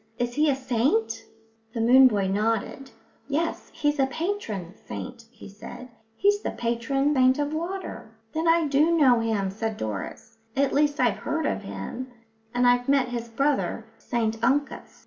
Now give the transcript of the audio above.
"Is he a saint?" The moon boy nodded. "Yes, he's a patron saint," he said. "He's the patron saint of water." "Then I do know him," said Doris. "At least, I've heard of him, and I've met his brother, St Uncus."